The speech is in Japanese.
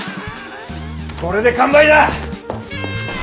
これで完売だ！